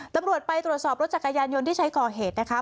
ตำรวจไปตรวจสอบรถจักรยานยนต์ที่ใช้ก่อเหตุนะคะ